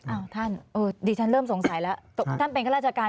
ท่านดิฉันเริ่มสงสัยแล้วท่านเป็นข้าราชการ